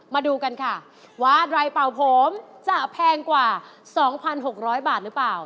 มาดูกันค่ะว่าไรเป่าผมจะแพงกว่า๒๖๐๐บาทหรือเปล่า